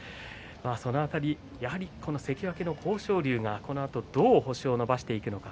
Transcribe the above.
その辺りこの関脇の豊昇龍がどう星を伸ばしていくのか。